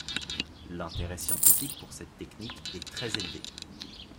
L'intérêt scientifique pour cette technique est très élevé.